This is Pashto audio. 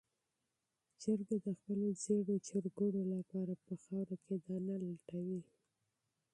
چرګه د خپلو ژېړو چرګوړو لپاره په خاوره کې دانه لټوي.